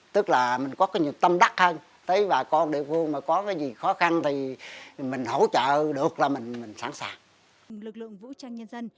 tức là mình có cái nhiệm tâm đắc hơn thấy bà con địa phương mà có cái gì khó khăn thì mình hỗ trợ được là mình sẵn sàng